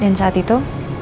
dan saat itu